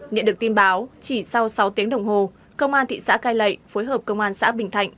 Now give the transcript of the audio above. nhận được tin báo chỉ sau sáu tiếng đồng hồ công an thị xã cai lệ phối hợp công an xã bình thạnh